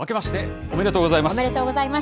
おめでとうございます。